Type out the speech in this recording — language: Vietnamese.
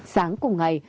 sáng cùng ngày